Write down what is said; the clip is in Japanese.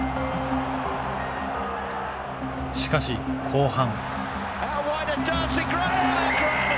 しかし後半。